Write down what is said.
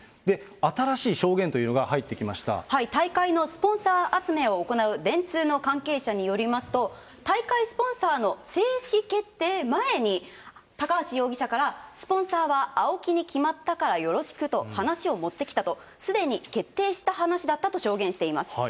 新しい証言というのが入ってきま大会のスポンサー集めを行う電通の関係者によりますと、大会スポンサーの正式決定前に、高橋容疑者からスポンサーはＡＯＫＩに決まったから、よろしくと話を持ってきたと、すでに決定した話だったと証言しています。